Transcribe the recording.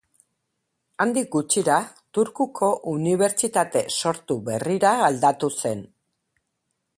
Handik gutxira Turkuko Unibertsitate sortu berrira aldatu zen.